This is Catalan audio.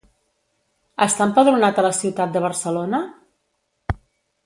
Està empadronat a la ciutat de Barcelona?